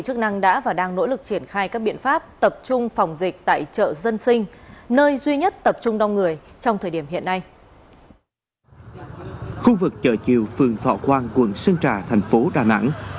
khu vực chợ chiều phường thọ quang quận sơn trà thành phố đà nẵng